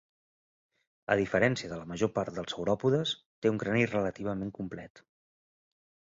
A diferència de la major part dels sauròpodes, té un crani relativament complet.